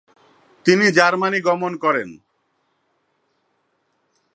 তিনি জার্মানি গমন করেন।